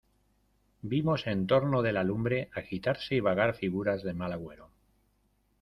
vimos en torno de la lumbre agitarse y vagar figuras de mal agüero: